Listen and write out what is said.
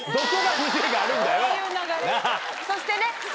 そしてね。